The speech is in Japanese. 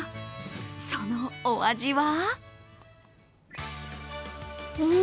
そのお味は？